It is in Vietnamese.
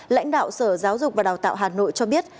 lãnh đạo sở giáo dục và đào tạo hà nội cho biết